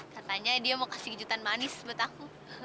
katanya dia mau kasih kejutan manis buat aku